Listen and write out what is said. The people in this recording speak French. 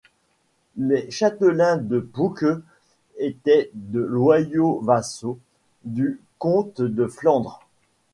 Les châtelains de Poucques étaient de loyaux vassaux du comte de Flandre.